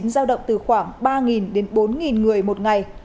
giao động từ khoảng ba đến bốn người một ngày